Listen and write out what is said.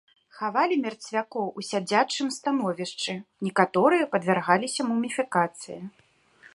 Хавалі мерцвякоў у сядзячым становішчы, некаторыя падвяргаліся муміфікацыі.